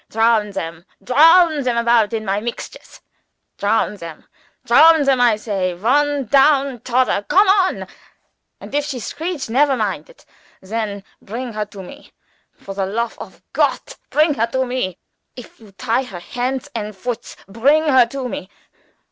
Drown them turn turn about in my mixtures. Drown them, I say, one down todder come on, and if she screech never mind it. Then bring her to me. For the lofe of Gott, bring her to me. If you tie her hands and foots, bring her to me.